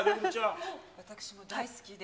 私も大好きで。